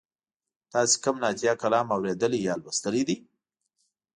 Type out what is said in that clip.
تاسې کوم نعتیه کلام اوریدلی یا لوستلی دی؟